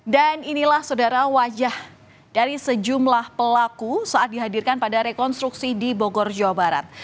dan inilah saudara wajah dari sejumlah pelaku saat dihadirkan pada rekonstruksi di bogor jawa barat